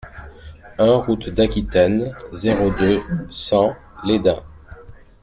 un route d'Aquitaine, zéro deux, cent Lesdins